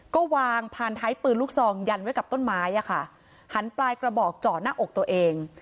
ก็วางพานท้ายปืนลูกซองยันไว้กับต้นไม้อ่ะค่ะหันปลายกระบอกเจาะหน้าอกตัวเอง